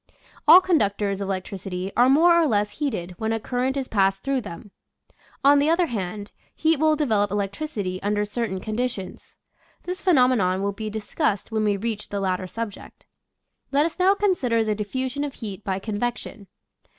All conductors of electricity are more or less heated when a current is passed through them. On the other hand, heat will develop electricity under certain condi tions. This phenomenon will be discussed when we reach the latter subject. Let us now consider the diffusion of heat by convection.